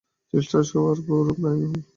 চল্লিশটা শোয়ার ঘোর, ডাইনিং হল।